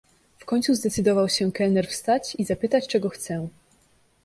"W końcu zdecydował się kelner wstać i zapytać, czego chcę."